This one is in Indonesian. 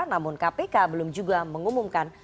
namun kpk belum juga mengumumkan